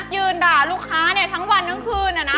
ยืนด่ารุคค้าเนี่ยทั้งวันทั้งคืนอะนะ